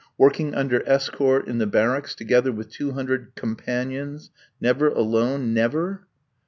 Working under escort in the barracks together with two hundred "companions;" never alone, never!